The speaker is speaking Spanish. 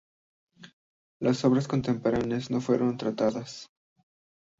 Las obras contemporáneas no fueron tratadas.